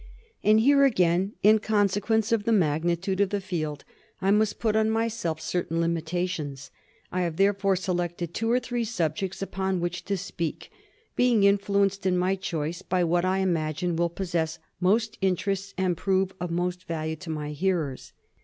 And here again, in consequence of the magnitude of the field, I must put on myself certain limitations. I have therefore selected two or three subjects about which to speak, being influenced in my choice by what I imagine will possess most interest and prove of most value to my hearers.